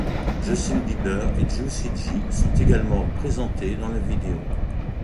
Justin Bieber et Juicy J sont également présentés dans la vidéo.